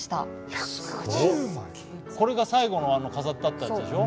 これが最後のあの飾ってあったやつでしょ？